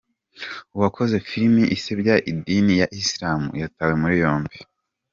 Uwakoze filimi isebya idini ya Isilamu yatawe muri yombi